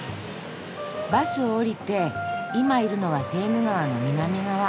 バスを降りて今いるのはセーヌ川の南側。